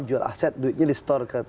jual aset duitnya di store ke